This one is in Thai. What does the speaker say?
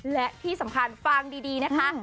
และที่สำคัญฟังดีนะคะ